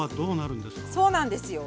そうなんですよ。